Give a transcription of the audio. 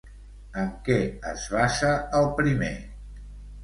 En què es basa el primer?